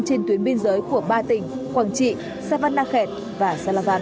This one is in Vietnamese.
trên tuyến biên giới của ba tỉnh quảng trị savannakhet và salavan